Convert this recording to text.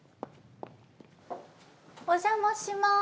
お邪魔します。